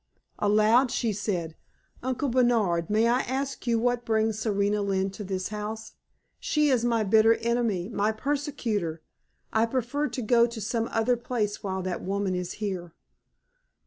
Aloud she said: "Uncle Bernard, may I ask you what brings Serena Lynne to this house? She is my bitter enemy, my persecutor. I prefer to go to some other place while that woman is here!"